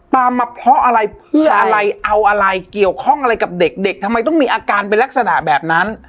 มาเพราะอะไรเพื่ออะไรเอาอะไรเกี่ยวข้องอะไรกับเด็กเด็กทำไมต้องมีอาการเป็นลักษณะแบบนั้น